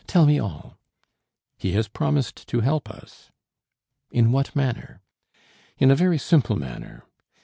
Tell me all." "He has promised to help us." "In what manner?" "In a very simple manner.